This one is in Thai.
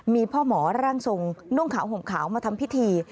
มีพ่อหมอร่างทรงนุ่งขาวห่มขาวมาทำพิธี